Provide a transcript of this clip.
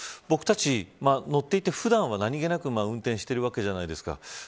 僕たち、乗っていて普段はなにげなく運転してるわけじゃないですか。